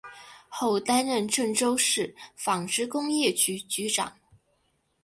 后担任郑州市纺织工业局局长。